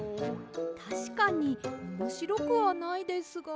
たしかにおもしろくはないですが。